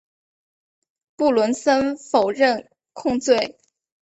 布伦森否认控罪。